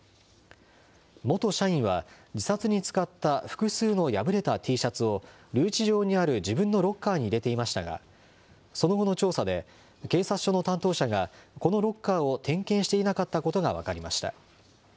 元社員は、自殺に使った複数の破れたＴシャツを、留置場にある自分のロッカーに入れていましたが、その後の調査で、警察署の担当者が、このロッカーを点検していなかったことが分かりました。